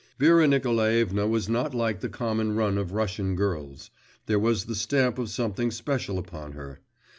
Vera Nikolaevna was not like the common run of Russian girls; there was the stamp of something special upon her.